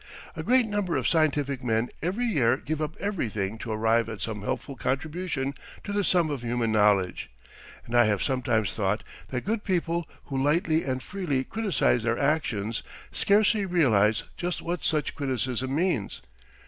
A great number of scientific men every year give up everything to arrive at some helpful contribution to the sum of human knowledge, and I have sometimes thought that good people who lightly and freely criticize their actions scarcely realize just what such criticism means.